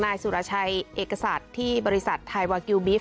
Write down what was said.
นายสุรชัยเอกษัตริย์ที่บริษัทไทยวากิลบิฟ